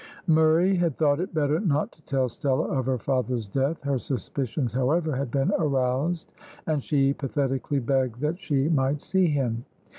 Murray had thought it better not to tell Stella of her father's death. Her suspicions, however, had been aroused, and she pathetically begged that she might see him.